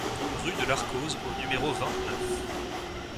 Rue de l'Arkose au numéro vingt-neuf